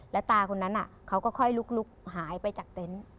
แล้วตาคนนั้นเขาก็ค่อยลุกหายไปจากเต็นต์